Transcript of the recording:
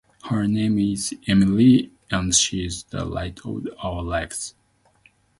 Her name is Emily, and she is the light of our lives.